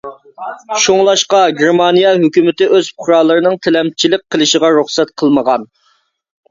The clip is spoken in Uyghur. شۇڭلاشقا، گېرمانىيە ھۆكۈمىتى ئۆز پۇقرالىرىنىڭ تىلەمچىلىك قىلىشىغا رۇخسەت قىلمىغان.